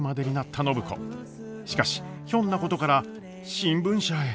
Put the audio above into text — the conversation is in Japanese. しかしひょんなことから新聞社へ。